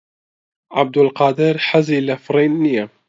عەبدولقادر حەزی لە فڕین نییە.